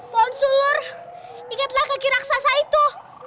ponsur ingatlah kaki raksasa itu